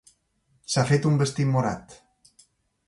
S'ha fet un vestit morat.